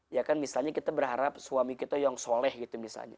ya kan misalnya kita berharap suami kita yang soleh gitu misalnya